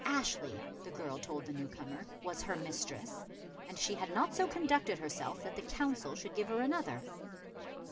Ashley, the girl told the new comer, was her mistress, and she had not so conducted herself that the Council should give her another.